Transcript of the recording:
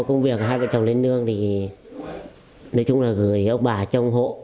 công việc hai vợ chồng lên nương thì nói chung là gửi ông bà trong hộ